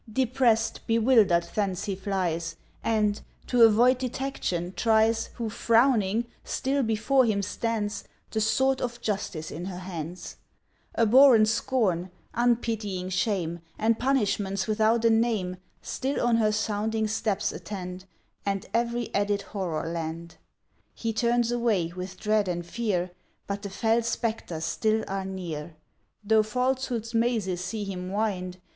Deprest, bewildered, thence he flies, And, to avoid Detection, tries, Who, frowning, still before him stands, The sword of Justice in her hands; Abhorrent Scorn, unpitying Shame, And Punishments without a name, Still on her sounding steps attend, And every added horror lend. He turns away, with dread and fear, But the fell spectres still are near. Though Falsehood's mazes see him wind!